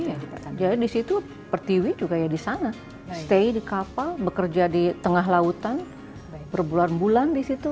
ya disitu pertiwi juga ya di sana stay di kapal bekerja di tengah lautan berbulan bulan di situ